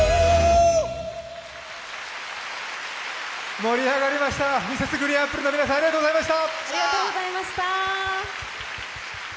盛り上がりました、Ｍｒｓ．ＧＲＥＥＮＡＰＰＬＥの皆さんありがとうございました！